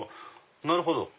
なるほど。